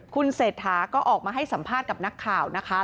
คุณเศรษฐาก็ออกมาให้สัมภาษณ์กับนักข่าวนะคะ